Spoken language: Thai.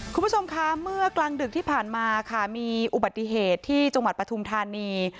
คุณผู้ชมคะเมื่อกลางดึกที่ผ่านมาค่ะมีอุบัติเหตุที่จังหวัดปฐุมธานี